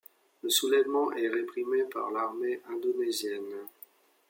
Le soulèvement est réprimé par l'armée indonésienne.